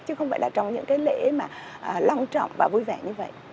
chứ không phải là trong những cái lễ mà long trọng và vui vẻ như vậy